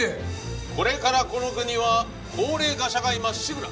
これからこの国は高齢化社会まっしぐら。